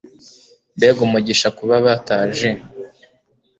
Mbega umugisha kuba bataje.